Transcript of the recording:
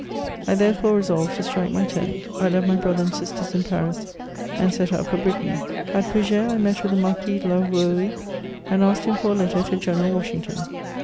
I therefore resolved to strike my tent ; I left my brother and sisters in Paris, and set out for Brittany. At Foug^res I met with the Marquis de la Rouerie, and asked him for a letter to General Washington.